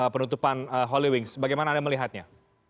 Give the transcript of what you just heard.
penutupan holy wings bagaimana anda melihatnya